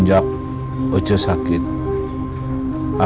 warm gliung siang pemimpin lu